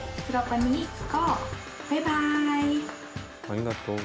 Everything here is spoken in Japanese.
ありがとう。